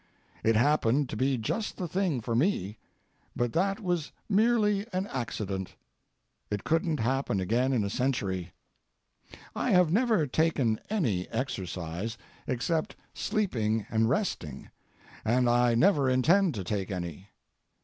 It happened to be just the thing for me, but that was merely an accident; it couldn't happen again in a century. I have never taken any exercise, except sleeping and resting, and I never intend to take any.